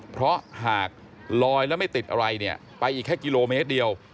เพราะหากลอยแล้วไม่ติดอะไรเนี่ยไปอีกแค่กิโลเมตรเดียว